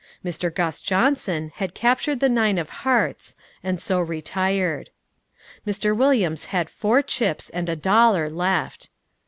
Mr. Gus Johnson had captured the nine of hearts and so retired. Mr. Williams had four chips and a dollar left.